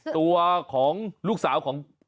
ตัวของลูกสาวของคุณแด้